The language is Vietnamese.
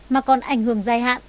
mà còn ảnh hưởng dài hạn